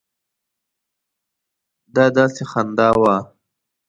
دا داسې خندا وه.